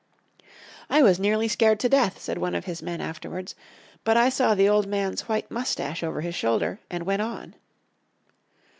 "I was nearly scared to death," said one of his men afterwards, "but I saw the old man's white moustache over his shoulder, and went on."